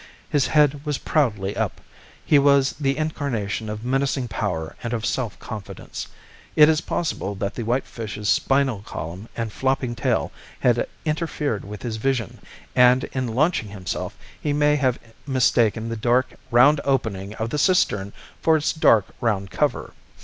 His head was proudly up; he was the incarnation of menacing power and of self confidence. It is possible that the white fish's spinal column and flopping tail had interfered with his vision, and in launching himself he may have mistaken the dark, round opening of the cistern for its dark, round cover.